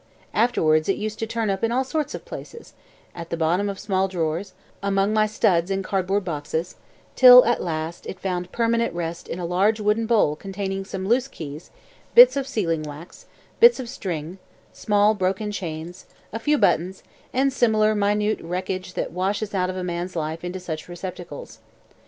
Afterwards it used to turn up in all sorts of places at the bottom of small drawers, among my studs in cardboard boxes till at last it found permanent rest in a large wooden bowl containing some loose keys, bits of sealing wax, bits of string, small broken chains, a few buttons, and similar minute wreckage that washes out of a mans life into such receptacles.